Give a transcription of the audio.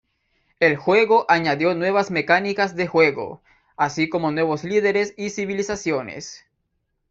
El juego añadió nuevas mecánicas de juego, así como nuevos líderes y civilizaciones.